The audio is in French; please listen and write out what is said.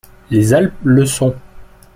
Les Alpes le sont.